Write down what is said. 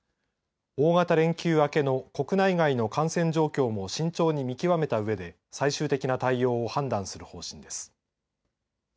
大型連休明けの国内外の感染状況も慎重に見極めたうえで最終的な対応を判断する方針です。